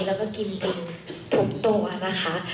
แล้วก็กินจนทุกตัวนะคะ